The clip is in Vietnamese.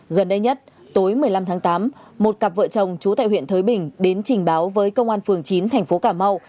gần đây nhất tối một mươi năm tháng tám một cặp vợ chồng chú tại huyện thới bình đến trình báo với công an phường chín thành phố cà mau